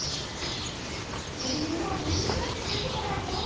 みんないいせんついてるわね。